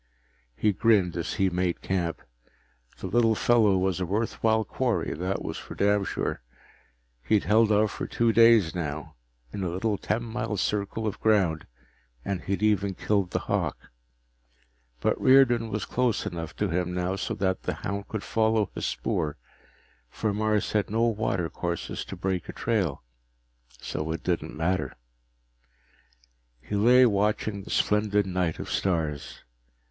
He grinned as he made camp. The little fellow was a worthwhile quarry, that was for damn sure. He'd held out for two days now, in a little ten mile circle of ground, and he'd even killed the hawk. But Riordan was close enough to him now so that the hound could follow his spoor, for Mars had no watercourses to break a trail. So it didn't matter. He lay watching the splendid night of stars.